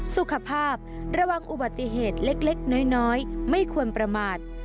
สุขภาพระหว่างอุบัติเหตุเล็กเล็กน้อยน้อยไม่ควรประมาท